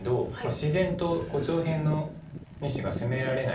自然と上辺の２子が攻められない。